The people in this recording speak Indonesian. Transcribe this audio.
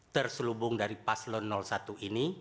terselubung dari paslon satu ini